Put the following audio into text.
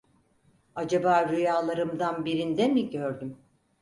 Acaba rüyalarımdan birinde mi gördüm?